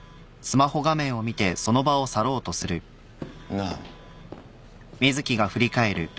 なあ。